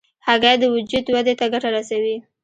هګۍ د وجود ودې ته ګټه رسوي.